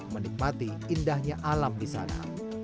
menikmati indahnya alam di sana